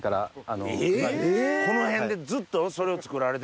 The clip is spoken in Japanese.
この辺でずっとそれを作られてたんですか？